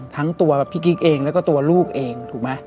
ทั้งตัวแบบพี่กิ๊กเองแล้วก็ตัวลูกเองถูกไหม